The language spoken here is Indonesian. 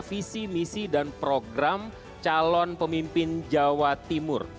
visi misi dan program calon pemimpin jawa timur